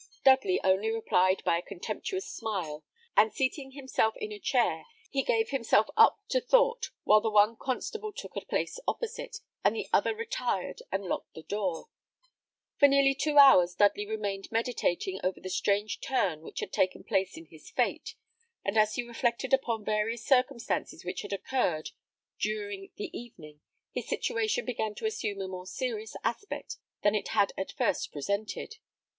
Dudley only replied by a contemptuous smile, and, seating himself in a chair, he gave himself up to thought, while the one constable took a place opposite, and the other retired and locked the door. For nearly two hours Dudley remained meditating over the strange turn which had taken place in his fate; and as he reflected upon various circumstances which had occurred during the evening, his situation began to assume a more serious aspect than it had at first presented.